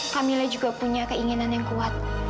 kamila juga punya keinginan yang kuat